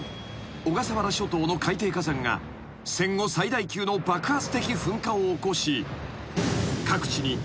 小笠原諸島の海底火山が戦後最大級の爆発的噴火を起こし］